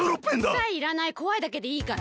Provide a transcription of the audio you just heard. くさいいらないこわいだけでいいから。